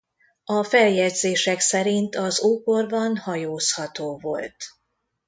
A feljegyzések szerint az ókorban hajózható volt.